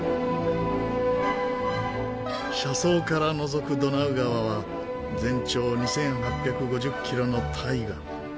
車窓からのぞくドナウ川は全長２８５０キロの大河。